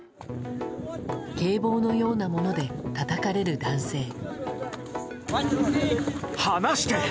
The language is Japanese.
警棒のようなものでたたかれる男性。